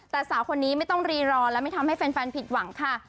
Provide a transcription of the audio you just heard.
แต่สาวคนนี้ไม่ต้องรีรอและไม่ทำให้แฟนผิดหวังค่ะ